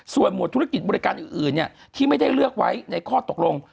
ส่วนหวดธุรกิจบริการอื่นที่ไม่ได้เลือกไว้ในข้อตกลง